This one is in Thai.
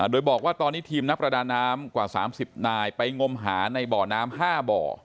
โดยบอกว่าตอนนี้ทีมนักประดาน้ำกว่า๓๐นายไปงมหาในบ่อน้ำ๕บ่อ